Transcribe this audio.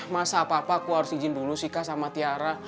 masa apa apa aku harus izin dulu sih kak sama tiara